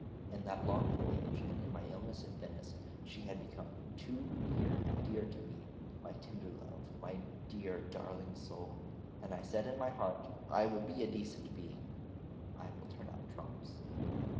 In that long voyage, and in my illness at Venice, she had become too near and dear to me, my tender love, my dear darling soul; and I said in my heart: 'I will be a decent being: I will turn out trumps.'